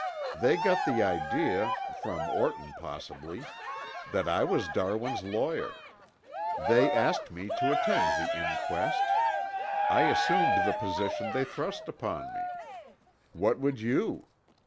"They got the idea, from Orton possibly, that I was Darwin's lawyer. They asked me to attend the inquest. I assumed the position they thrust upon me. What would you?"